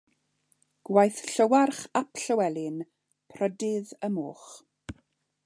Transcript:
Gwaith Llywarch Ap Llywelyn Prydydd y Moch.